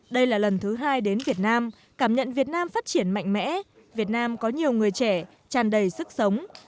đây là lần thứ hai đến việt nam cảm nhận việt nam phát triển mạnh mẽ việt nam có nhiều người trẻ tràn đầy sức sống